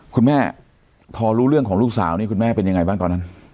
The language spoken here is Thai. คุณแม่พอรู้เรื่องของลูกสาวนี่คุณแม่เป็นยังไงบ้างตอนนั้น